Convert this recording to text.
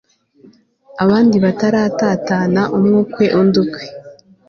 abandi baratatana umwe ukwe undi ukwe